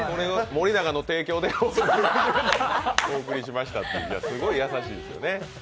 森永の提供でお送りしました、すごい優しいですね。